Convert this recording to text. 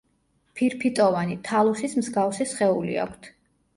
ფირფიტოვანი, თალუსის მსგავსი სხეული აქვთ.